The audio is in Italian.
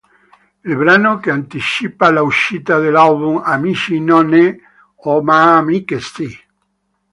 Il brano, che anticipa l'uscita dell'album "Amici non ne ho... ma amiche sì!